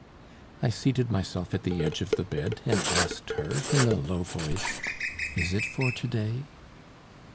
I seated myself at the edge of the bed, and asked her in a low voice: "Is it for to day?"